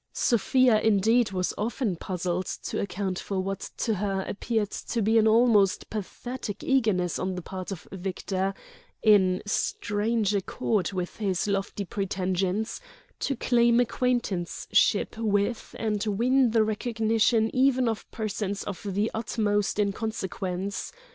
Sofia, indeed, was often puzzled to account for what to her appeared to be an almost pathetic eagerness on the part of Victor, in strange accord with his lofty pretensions, to claim acquaintanceship with and win the recognition even of persons of the utmost inconsequence.